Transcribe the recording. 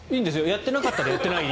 やってなかったらやってないで。